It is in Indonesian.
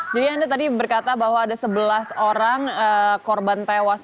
jadi anda tadi berkata bahwa ada sebelas orang korban tewas